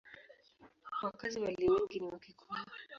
Wakazi walio wengi ni Wakikuyu.